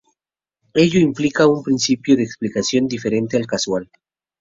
Ello implica un principio de explicación diferente al causal.